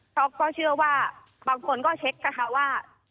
เพราะก็เชื่อว่าบางคนก็เช็คนะคะว่า